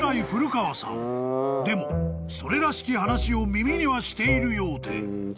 ［でもそれらしき話を耳にはしているようで］